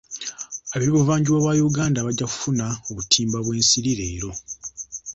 Ab'ebuvanjuba bwa Uganda bajja kufuna obutimba bw'ensiri leero.